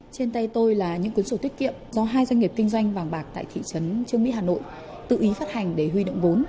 trên tay tôi là những cuốn sổ tiết kiệm do hai doanh nghiệp kinh doanh vàng bạc tại thị trấn trương mỹ hà nội tự ý phát hành để huy động vốn